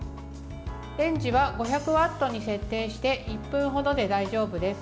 レンジは５００ワットに設定して１分程で大丈夫です。